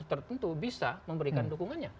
tertentu bisa memberikan dukungannya